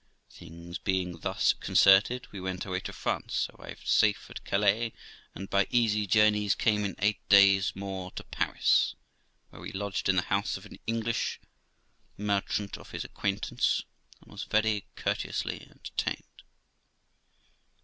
Things being thus concerted, we went away to France, arrived safe at Calais, and by easy journeys came in eight days more to Paris, where we lodged in the house of an English merchant of his acquaintance, and vras very courteously entertained.